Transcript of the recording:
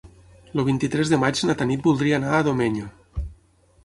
El vint-i-tres de maig na Tanit voldria anar a Domenyo.